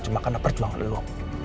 cuma karena perjuangan lo